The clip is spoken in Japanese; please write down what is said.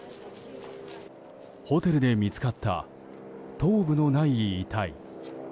ホテルで見つかった頭部のない遺体。